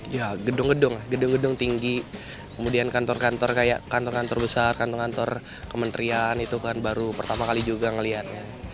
ya gedung gedung gedung tinggi kemudian kantor kantor kayak kantor kantor besar kantor kantor kementerian itu kan baru pertama kali juga melihatnya